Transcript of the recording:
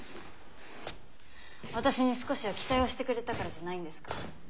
私に少しは期待をしてくれたからじゃないんですか？